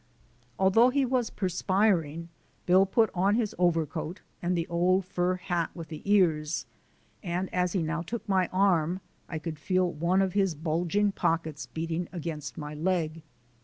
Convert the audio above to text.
Although he was perspiring, Bill put on his overcoat and the old fur hat with the ears, and as he now took my arm I could feel one of his bulging pockets beating against my leg.